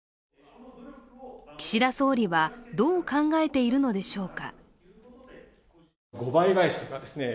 岸田総理はどう考えているのでしょうか。